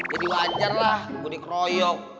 jadi wajar lah gue dikroyok